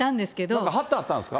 なんか貼ってあったんですか？